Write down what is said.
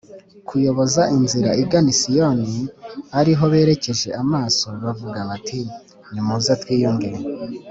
kuyoboza inzira igana i Siyoni ari ho berekeje amaso bavuga bati nimuze twiyunge